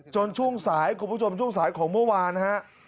ช่วงสายคุณผู้ชมช่วงสายของเมื่อวานฮะ